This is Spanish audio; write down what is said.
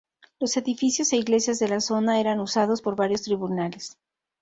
Los edificios e iglesias de la zona eran usados por varios tribunales.